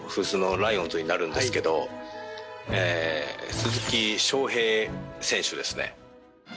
ライオンズになるんですけど鈴木将平選手ですね。